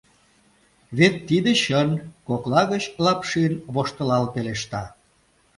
Вет тиде чын, — кокла гыч Лапшин воштылал пелешта.